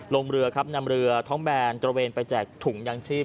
ลงเรือครับนำเรือท้องแบนตระเวนไปแจกถุงยางชีพ